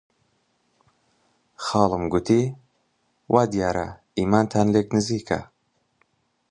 خاڵم گوتی: وا دیارە ئیمانتان لێک نزیکە!